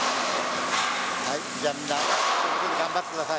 じゃあみんな、引き続き頑張ってください。